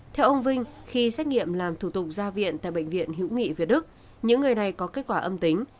theo ông vinh khi xét nghiệm làm thủ tục ra viện tại bệnh viện hữu nghị việt đức những người này có kết quả âm tính